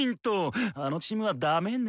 あのチームはダメネ！